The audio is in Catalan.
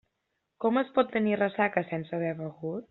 Com es pot tenir ressaca sense haver begut?